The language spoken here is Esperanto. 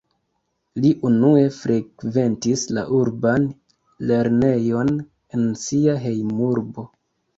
Li unue frekventis la urban lernejon en sia hejmurbo.